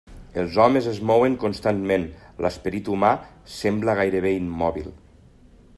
Els homes es mouen constantment, l'esperit humà sembla gairebé immòbil.